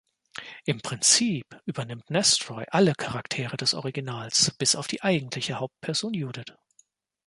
Im Prinzip übernimmt Nestroy alle Charaktere des Originals, bis auf die eigentliche Hauptperson Judith.